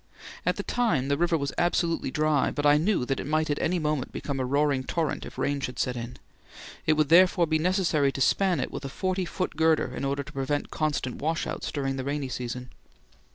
At the time the river was absolutely dry, but I knew that it might at any moment become a roaring torrent if rain should set in; it would therefore be necessary to span it with a forty foot girder in order to prevent constant "washouts" during the rainy season.